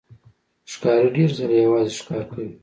ښکاري ډېر ځله یوازې ښکار کوي.